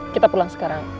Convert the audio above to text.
kita pulang sekarang